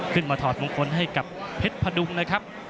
ถอดมงคลให้กับเพชรพดุงนะครับ